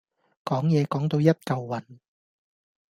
講野講到一嚿雲